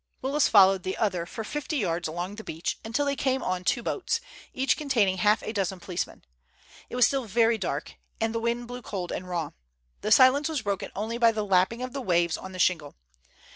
Willis followed the other for fifty yards along the beach, until they came on two boats, each containing half a dozen policemen. It was still very dark; and the wind blew cold and raw. The silence was broken only by the lapping of the waves on the shingle.